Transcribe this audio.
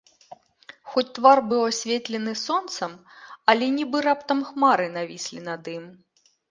Хоць твар быў асветлены сонцам, але нібы раптам хмары навіслі над ім.